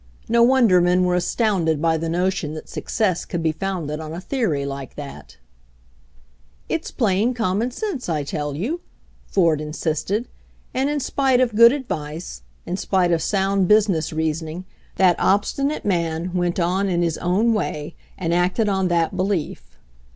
No wonder men were astounded by the notion that success could be founded on a theory like that "It's plain common sense, I tell you," Ford in sisted, and in spite of good advice, in spite of sound business reasoning, that obstinate man went on in his own way and acted on that belief.